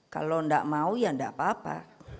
kalau gak mau ya gak apa apa